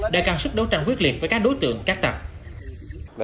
để càng sức đấu tranh quyết liệt với các đối tượng các tầng